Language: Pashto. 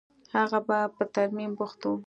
هغه په ترميم بوخت و.